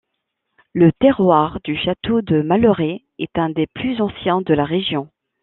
Le terroir du château de Malleret est un des plus anciens de la région.